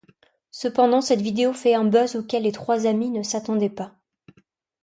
Cependant cette vidéo fait un buzz auquel les trois amies ne s’attendaient pas.